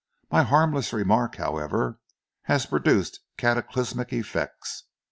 My harmless remark, however, has produced cataclysmic effects.